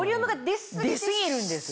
出過ぎるんです。